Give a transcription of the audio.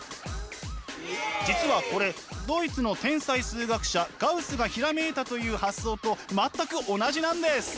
実はこれドイツの天才数学者ガウスがひらめいたという発想と全く同じなんです！